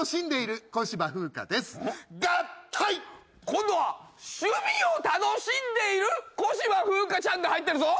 今度は「趣味を楽しんでいる小芝風花ちゃん」が入ってるぞ！